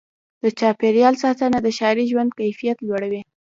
د چاپېریال ساتنه د ښاري ژوند کیفیت لوړوي.